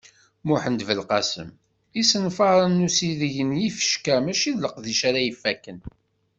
Muḥend Belqasem: Isenfaṛen n usideg n yifecka mačči d leqdic ara ifakken.